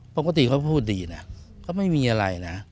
ปกติเขาพูดดีนะเขาไม่มีอะไรนะ